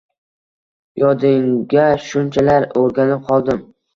Yodingga shunchalar o’rganib qoldim, —